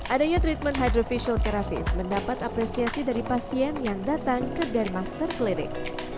adanya treatment hydra facial keravive mendapat apresiasi dari pasien yang datang ke dermaster clinic